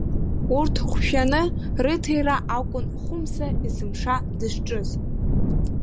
Урҭ ҟәшәаны, рыҭира акәын Хәымса есымша дызҿыз.